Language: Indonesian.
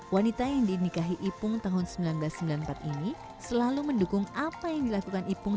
wanita yang dinikahi ipung tahun seribu sembilan ratus sembilan puluh empat ini selalu mendukung apa yang dilakukan ipung